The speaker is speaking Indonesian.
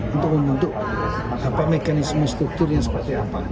untuk mengunduk mekanisme struktur yang seperti apa